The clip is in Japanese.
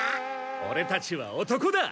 オレたちは男だ！